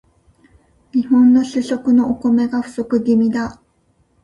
日本の主食のお米が不足気味だ